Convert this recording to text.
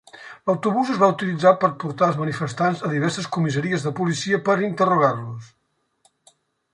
L'autobús es va utilitzar per portar els manifestants a diverses comissaries de policia per interrogar-los.